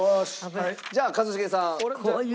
じゃあ一茂さん。